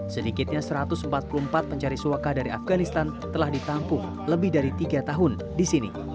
sedikitnya satu ratus empat puluh empat pencari suaka dari afganistan telah ditampung lebih dari tiga tahun di sini